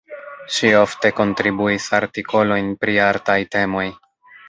Ŝi ofte kontribuis artikolojn pri artaj temoj.